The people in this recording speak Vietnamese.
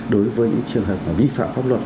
đối với những trường hợp vi phạm pháp luật